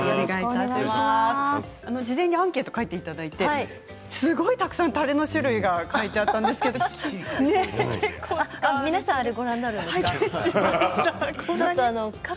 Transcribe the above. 事前にアンケートを書いていただいてすごいたくさんたれの種類が書いてあったんですけれど結構、使うんですか？